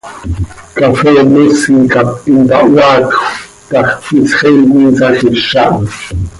Cafee moosi cap impahoaatjö ta x, misxeen insajíz aha.